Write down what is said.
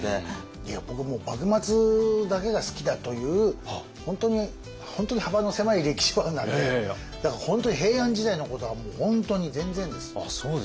いや僕もう幕末だけが好きだという本当に幅の狭い歴史ファンなんでだから本当に平安時代のことはもう本当に全然です。